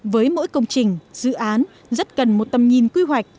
với mỗi công trình dự án rất cần một tầm nhìn quy hoạch